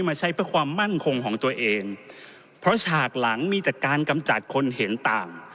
มาใช้เพื่อความมั่นคงของตัวเองเพราะฉากหลังมีแต่การกำจัดคนเห็นต่าง